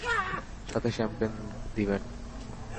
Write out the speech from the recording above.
সাথে শ্যাম্পেন দিবেন।